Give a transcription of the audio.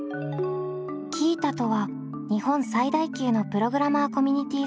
Ｑｉｉｔａとは日本最大級のプログラマーコミュニティサイト。